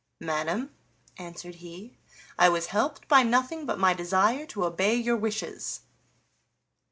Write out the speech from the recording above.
"Madam," answered he, "I was helped by nothing but my desire to obey your wishes."